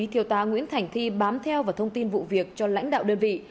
thiếu tá nguyễn thành thi bám theo và thông tin vụ việc cho lãnh đạo đơn vị